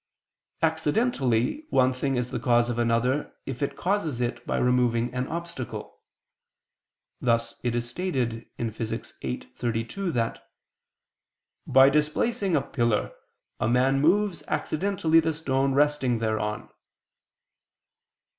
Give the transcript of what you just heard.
Accidentally, one thing is the cause of another if it causes it by removing an obstacle: thus it is stated in Phys. viii, text. 32, that "by displacing a pillar a man moves accidentally the stone resting thereon."